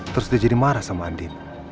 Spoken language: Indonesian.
terus dia jadi marah sama andin